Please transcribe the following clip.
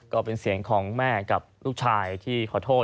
ก็เป็นเสียงของแม่กับลูกชายที่ขอโทษ